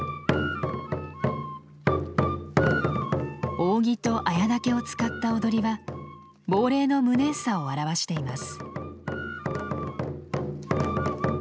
扇とアヤ竹を使った踊りは亡霊の無念さを表しています。